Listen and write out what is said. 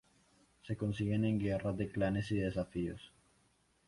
Se consiguen en guerras de clanes y desafíos.